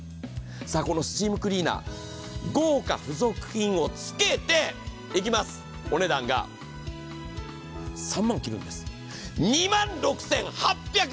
このスチームクリーナー、豪華付属品をつけてお値段が３万を切るんです。